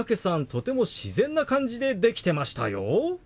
とても自然な感じでできてましたよ。